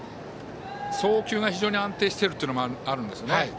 送球が非常に安定しているというのもあるんですね。